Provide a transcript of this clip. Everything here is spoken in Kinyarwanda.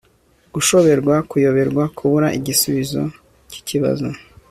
gushoberwa kuyoberwa, kubura igisubizo cy'ikibazo